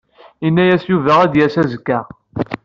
Yenna-d Yuba ad d-yas azekka.